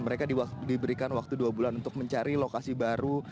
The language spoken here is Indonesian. mereka diberikan waktu dua bulan untuk mencari lokasi baru